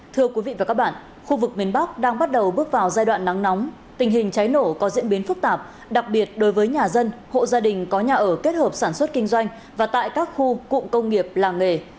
thưa quý vị và các bạn khu vực miền bắc đang bắt đầu bước vào giai đoạn nắng nóng tình hình cháy nổ có diễn biến phức tạp đặc biệt đối với nhà dân hộ gia đình có nhà ở kết hợp sản xuất kinh doanh và tại các khu cụm công nghiệp làng nghề